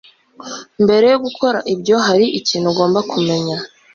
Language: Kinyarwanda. Mbere yo gukora ibyo, hari ikintu ugomba kumenya.